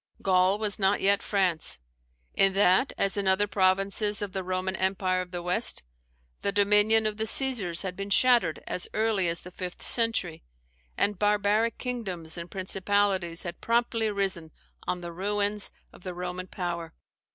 Gaul was not yet France. In that, as in other provinces of the Roman empire of the West, the dominion of the Caesars had been shattered as early as the fifth century, and barbaric kingdoms and principalities had promptly arisen on the ruins of the Roman power.